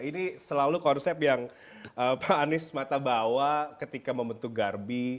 ini selalu konsep yang pak anies mata bawa ketika membentuk garbi